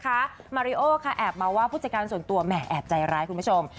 มาริโอค่ะแอบมาว่าผู้จัดการส่วนตัวแหม่แอบใจร้ายคุณผู้ชม